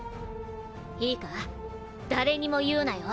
いいかだれにも言うなよ。